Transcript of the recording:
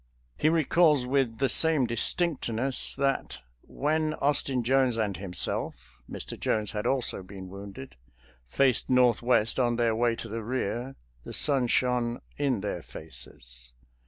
He recalls with the same distinctness that when Austin Jones and himself — Mr. Jones had also been wounded — faced northwest on their way to the rear, the sun shone in their faces.